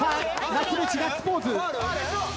松道ガッツポーズ。